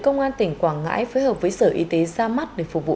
công an tỉnh quảng ngãi phối hợp với sở y tế ra mắt để phục vụ